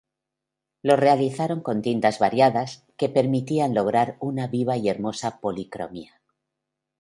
Los realizaron con tintas variadas, que permitían lograr una viva y hermosa policromía.